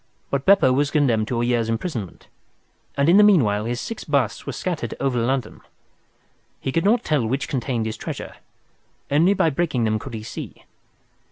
But Beppo was condemned to a year's imprisonment, and in the meanwhile his six busts were scattered over London. He could not tell which contained his treasure. Only by breaking them could he see.